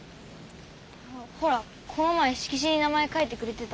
ほらこの前色紙に名前書いてくれてた。